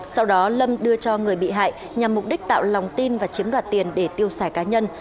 sau đó lâm đưa cho người bị hại nhằm mục đích tạo lòng tin và chiếm đoạt tiền để tiêu xài cá nhân